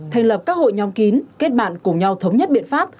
thành lập các hội nhóm kín kết bạn cùng nhau thống nhất biện pháp